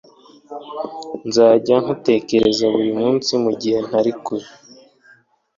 Nzajya ngutekereza buri munsi mugihe ntari kure.